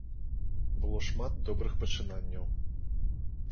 Было шмат добрых пачынанняў.